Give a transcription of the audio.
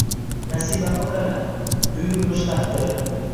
Nasibamni qara, buyurmish taqdir